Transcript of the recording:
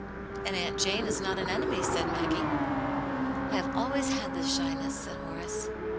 And Aunt Jane is not an enemy,*' said Maggie. '* I have always had this shyness," said Horace.